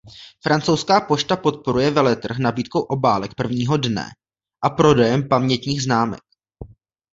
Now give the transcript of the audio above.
Francouzská pošta podporuje veletrh nabídkou obálek prvního dne a prodejem pamětních známek.